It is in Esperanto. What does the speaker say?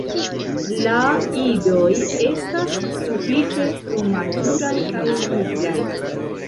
La idoj estas sufiĉe frumaturaj kaj viglaj.